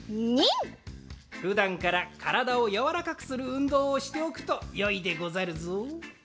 ニン！ふだんからからだをやわらかくするうんどうをしておくとよいでござるぞ。